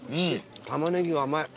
タマネギが甘い。